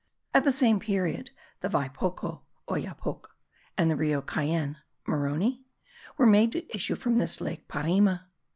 At the same period the Viapoco (Oyapoc) and the Rio Cayenne (Maroni?) were made to issue from this lake Parima.